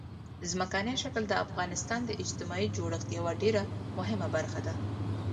ځمکنی شکل د افغانستان د اجتماعي جوړښت یوه ډېره مهمه برخه ده.